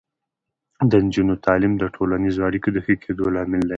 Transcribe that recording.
د نجونو تعلیم د ټولنیزو اړیکو د ښه کیدو لامل دی.